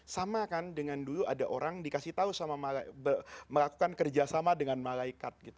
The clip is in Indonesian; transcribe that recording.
sama kan dengan dulu ada orang dikasih tahu sama melakukan kerjasama dengan malaikat